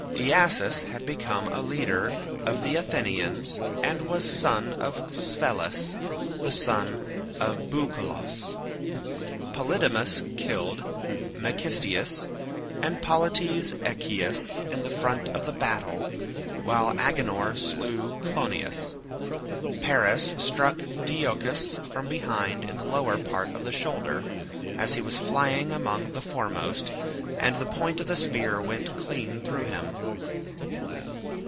Iasus had become a leader of the Athenians, and was son of Sphelus the son of Boucolos. Polydamas killed Mecisteus, and Polites Echius, in the front of the battle, while Agenor slew Clonius. Paris struck Deiochus from behind in the lower part of the shoulder, as he was flying among the foremost, and the point of the spear went clean through him.